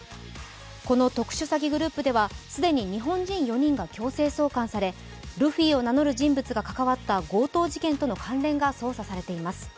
この特殊詐欺グループでは既に日本人４人が強制送還されルフィを名乗る人物が関わった強盗事件との関連が捜査されています。